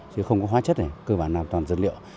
chứ không có hóa chất này cơ bản làm toàn dân liệu